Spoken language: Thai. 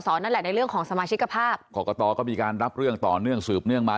นั่นแหละในเรื่องของสมาชิกภาพกรกตก็มีการรับเรื่องต่อเนื่องสืบเนื่องมา